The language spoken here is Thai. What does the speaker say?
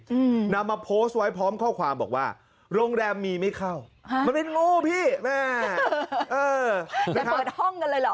อืมนำมาโพสต์ไว้พร้อมข้อความบอกว่าโรงแรมมีไม่เข้าฮะมันเป็นงูพี่แม่เออไปเปิดห้องกันเลยเหรอ